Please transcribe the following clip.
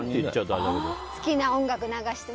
好きな音楽流してね。